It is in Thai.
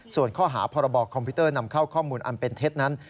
ส่วนข้อหาพรบคอมพิวเตอร์นำเข้าข้อมูลอันเป็นเท็จนั้น